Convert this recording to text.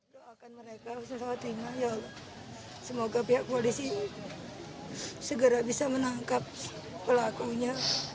doakan mereka selamat tinggal semoga pihak polisi segera bisa menangkap pelakunya